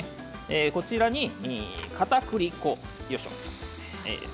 こちらにかたくり粉をよいしょ。